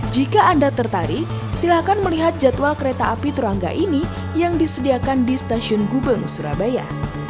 jika anda tertarik silahkan melihat jadwal kereta api turangga ini yang disediakan di stasiun gubeng surabaya